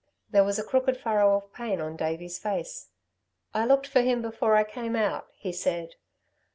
There was a crooked furrow of pain on Davey's face. "I looked for him before I came out," he said.